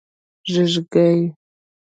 🦔 ږېږګۍ